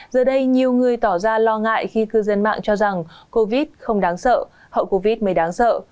giờ đây nhiều người tỏ ra lo ngại khi cư dân mạng cho rằng covid không đáng sợ hậu covid mới đáng sợ